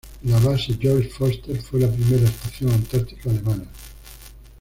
La Base Georg Forster fue la primera estación antártica alemana.